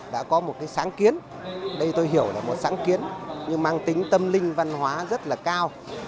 đã có một sáng kiến đây tôi hiểu là một sáng kiến nhưng mang tính tâm linh văn hóa rất là cao